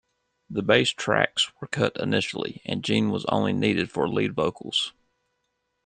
The bass tracks were cut initially, and Gene was only needed for lead vocals.